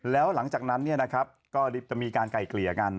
แล้วหลังจากนั้นเนี่ยนะครับก็จะมีการไก่เกลี่ยกัน